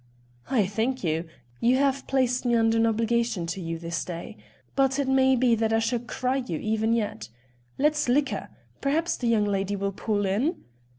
"I thank you. You have placed me under an obligation to you this day. But it may be that I shall cry you evens yet. Let's liquor. Perhaps the young lady will pool in?"